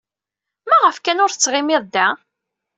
Maɣef kan ur tettɣimiḍ da?